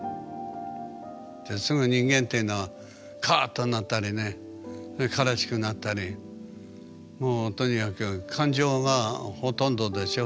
すぐ人間っていうのはカーッとなったりね悲しくなったりもうとにかく感情がほとんどでしょ？